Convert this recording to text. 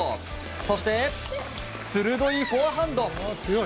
そして、鋭いフォアハンド。